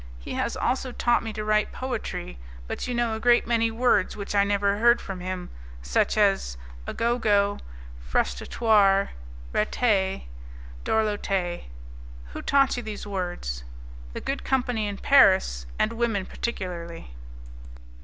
He has also taught me to write poetry, but you know a great many words which I never heard from him, such as 'a gogo, frustratoire, rater, dorloter'. Who taught you these words?" "The good company in Paris, and women particularly."